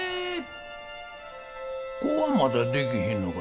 子はまだできひんのか？